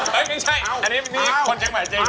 เฮ้ยยังไม่ใช่อันนี้มีของเชียงใหม่จริง